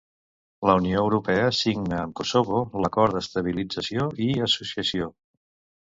La Unió Europea signa amb Kosovo l'Acord d'Estabilització i Associació.